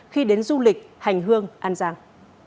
khi đến du lịch hành hương an giang